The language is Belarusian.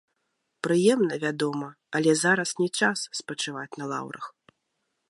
Прыемна, вядома, але зараз не час спачываць на лаўрах.